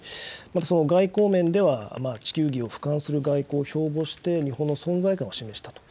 またその外交面では、地球儀をふかんする外交を標ぼうして、日本の存在感を示したと。